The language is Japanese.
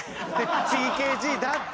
ＴＫＧだって。